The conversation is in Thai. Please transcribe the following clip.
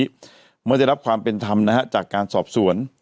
มไม่ได้รับความเป็นธรรมนะครับจากการสอบส่วน